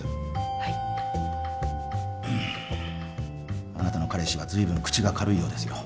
はいあなたの彼氏はずいぶん口が軽いようですよ